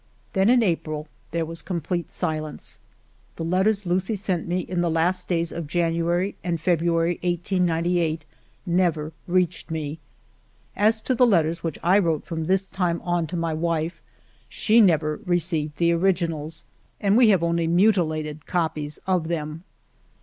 Then in April there was complete silence. The letters Lucie sent me in the last days of January and February, 1898, never reached me. As to the letters which I wrote from this time on to my wife, she never received the originals, and we have only mutilated copies of them.